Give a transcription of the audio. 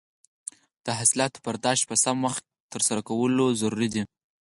د حاصلاتو برداشت په سم وخت ترسره کول ضروري دي.